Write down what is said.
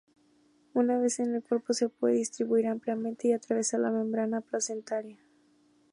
Una vez en el cuerpo, se puede distribuir ampliamente y atravesar la membrana placentaria.